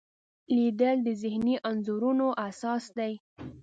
لیدل د ذهني انځورونو اساس دی